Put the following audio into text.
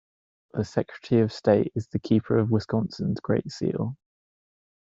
The Secretary of State is the keeper of Wisconsin's great seal.